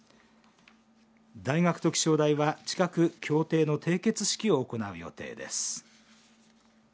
大学と気象台は近く協定の締結式を行う予定です。